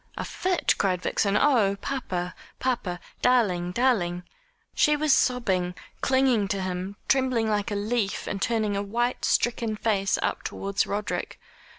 "A fit!" cried Vixen. "Oh, papa, papa darling darling " She was sobbing, clinging to him, trembling like a leaf, and turning a white, stricken face up towards Roderick.